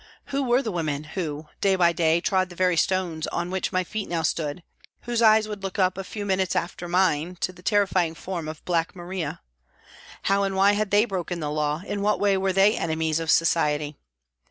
Who were the women who, day by day, trod the very stones on which my feet now stood, whose eyes would look up, a few minutes after mine, to the terrifying form of Black Maria ? How and why had they broken the law, in what way were they enemies of Society